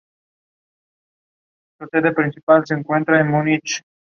Posteriormente, ocurren una serie de eventos devastadores que marcan su infancia.